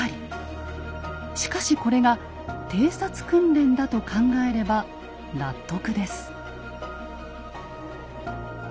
しかしこれが偵察訓練だと考えれば納得です。